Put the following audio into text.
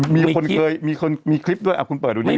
มีคนเคยมีคลิปด้วยคุณเปิดดูนี่ไหม